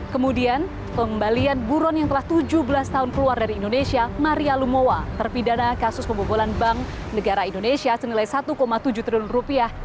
kemudian pengembalian buron yang telah tujuh belas tahun keluar dari indonesia maria lumowa terpidana kasus pembobolan bank negara indonesia senilai satu tujuh triliun rupiah